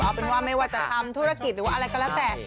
เอาเป็นว่าไม่ว่าจะทำธุรกิจหรือว่าอะไรก็แล้วแต่